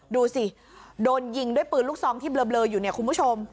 ดูสิโดนยิงด้วยปืนลูกซองที่เบลออยู่เนี่ยคุณผู้ชม